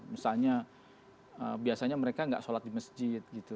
misalnya biasanya mereka nggak sholat di masjid gitu